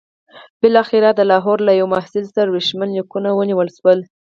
بالاخره د لاهور له یوه محصل سره ورېښمین لیکونه ونیول شول.